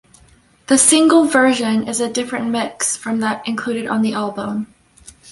The single version is a different mix from that included on the album.